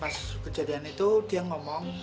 pas kejadian itu dia ngomong